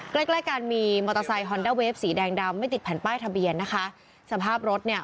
ใกล้ใกล้กันมีมอเตอร์ไซคอนด้าเวฟสีแดงดำไม่ติดแผ่นป้ายทะเบียนนะคะสภาพรถเนี่ย